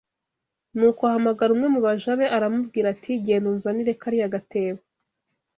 Nuko ahamagara umwe mu baja be aramubwira ati genda unzanire kariya gatebo